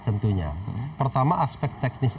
tentunya pertama aspek teknis